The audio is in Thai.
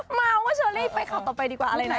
เมาว่าเชอรี่ไปข่าวต่อไปดีกว่าอะไรนะ